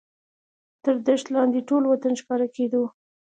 تر دښت لاندې ټول وطن ښکاره کېدو.